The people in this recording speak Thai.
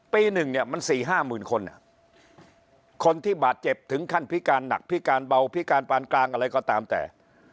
ปีหนึ่งเนี่ยมัน๔๕หมื่นคนคนที่บาดเจ็บถึงขั้นพิการหนักพิการเบาพิการปานกลางอะไรก็ตามแต่